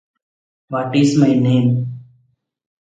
An additional Latin form of the same name is Veronica.